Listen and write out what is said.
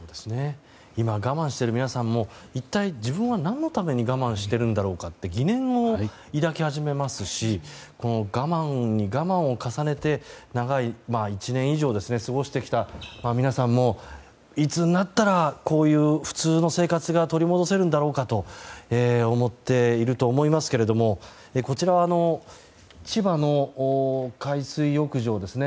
今、我慢している皆さんも一体、自分は何のために我慢してるんだろうかって疑念を抱き始めますし我慢に我慢を重ねて長い、１年以上を過ごしてきた皆さんもいつになったら普通の生活が取り戻せるんだろうかと思っていると思いますけれどもこちらは千葉の海水浴場ですね。